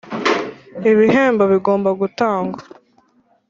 Ibihembo bigomba gutangwa.